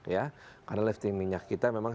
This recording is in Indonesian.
ya karena lifting minyak kita memang